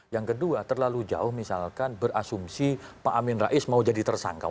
yang kedua terlalu jauh misalkan berasumsi pak amin rais mau jadi tersangka